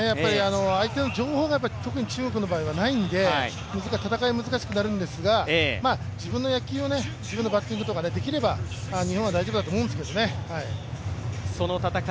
やっぱり相手の情報が、特に中国の場合はないんで戦いが難しくなるんですが自分の野球を、自分のバッティングとかできれば、日本は大丈夫だと思うんですけどね。